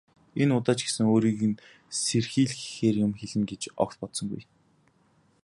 Энэ удаа ч гэсэн өөрийг нь сэрхийлгэхээр юм хэлнэ гэж огт бодсонгүй.